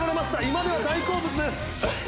今では大好物です